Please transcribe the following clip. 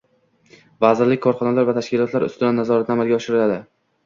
Vazirlik korxonalari va tashkilotlar ustidan nazoratni amalga oshiradi.